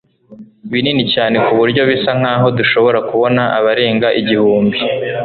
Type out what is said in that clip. binini cyane kuburyo bisa nkaho dushobora kubona abarenga igihumbi